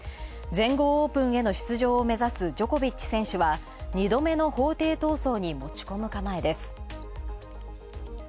全豪オープンへの出場を目指すジョコビッチ選手は２度目の法廷闘争に持ち込む構えです。